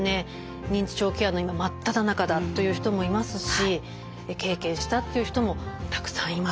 認知症ケアの今真っただ中だという人もいますし経験したという人もたくさんいます。